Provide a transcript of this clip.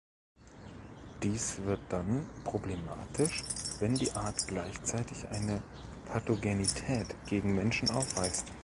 Dies wird dann problematisch, wenn die Art gleichzeitig eine Pathogenität gegen Menschen aufweist.